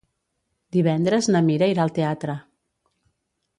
Divendres na Mira irà al teatre.